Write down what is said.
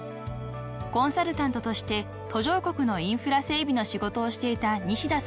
［コンサルタントとして途上国のインフラ整備の仕事をしていた西田さん］